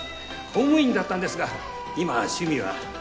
公務員だったんですが今は趣味は小説を。